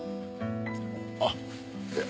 あっいや